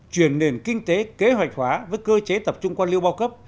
chuyển nền kinh tế kế hoạch hóa với cơ chế tập trung quan liêu bao cấp